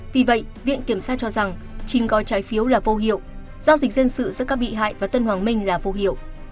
vì vậy viện kiểm sát cho rằng chín gói trái phiếu là vô hiệu giao dịch dân sự giữa các bị hại và tân hoàng minh là vô hiệu